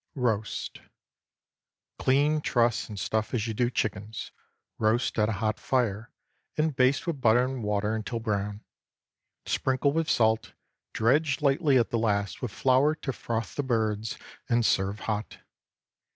ROAST. Clean, truss, and stuff as you do chickens; roast at a hot fire, and baste with butter and water until brown; sprinkle with salt, dredge lightly at the last with flour to froth the birds, and serve hot.